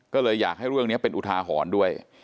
ก็เลยอยากให้เรื่องนี้เป็นอุทาหรณ์ด้วย